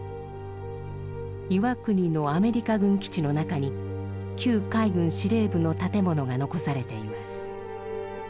岩国のアメリカ軍基地の中に旧海軍司令部の建物が残されています。